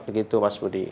begitu mas budi